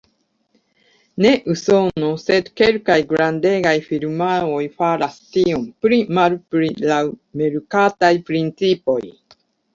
Ne Usono, sed kelkaj grandegaj firmaoj faras tion, pli-malpli laŭ merkataj principoj.